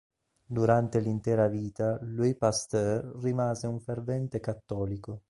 Durante l'intera vita Louis Pasteur rimase un fervente cattolico.